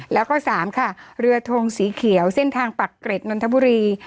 แล้วก็๓ค่ะเรือทงสีเขียวเส้นทางปักเกร็ดนนทบุรี